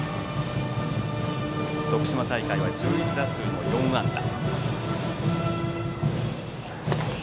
徳島大会は１１打数４安打。